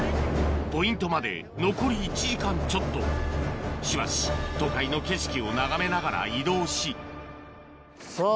ポイントまで残り１時間ちょっとしばし都会の景色を眺めながら移動しさぁ